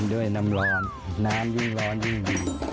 ด้วยน้ำร้อนน้ำยิ่งร้อนยิ่งดี